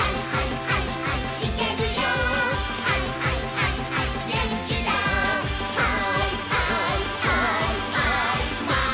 「はいはいはいはいマン」